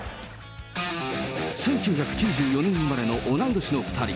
１９９４年生まれの同い年の２人。